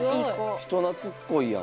人懐っこいやん。